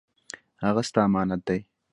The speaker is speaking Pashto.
هغه ستا امانت دی